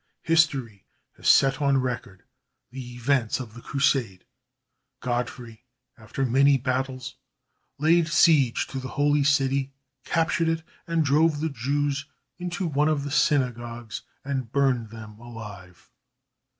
History has set on record the events of the Crusade. Godfrey, after many battles, laid siege to the Holy City, captured it, and drove the Jews into one of the synagogues and burned them alive.